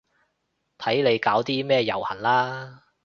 睇你搞啲咩遊行啦